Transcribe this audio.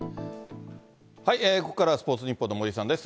ここからはスポーツニッポンの森さんです。